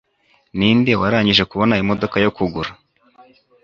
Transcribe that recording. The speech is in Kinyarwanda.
Ninde warangije kubona imodoka yo kugura?